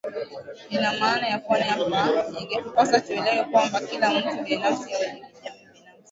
lina maana ya pwani Hapa ingetupasa tuelewe kwamba kila mtu binafsi au jamii binafsi